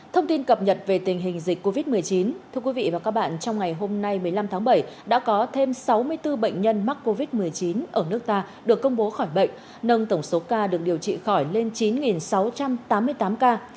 thông tin cập nhật về tình hình dịch covid một mươi chín thưa quý vị và các bạn trong ngày hôm nay một mươi năm tháng bảy đã có thêm sáu mươi bốn bệnh nhân mắc covid một mươi chín ở nước ta được công bố khỏi bệnh nâng tổng số ca được điều trị khỏi lên chín sáu trăm tám mươi tám ca